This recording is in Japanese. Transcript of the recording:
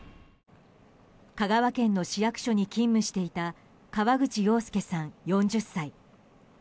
香川県の市役所に勤務していた河口洋介さん、４０歳。